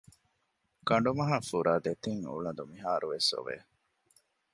ކަނޑުމަހަށް ފުރާ ދެތިން އުޅަދު މިހާރު ވެސް އޮވެ